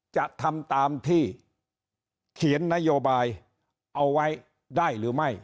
จะทำตามที่เขียนนโยบายเอาไว้ได้หรือไม่